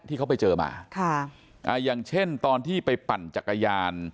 ที่เขาไปเจอมาค่ะอ่าอย่างเช่นตอนที่ไปปั่นจักรยาน